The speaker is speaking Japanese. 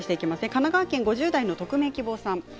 神奈川県５０代の方です。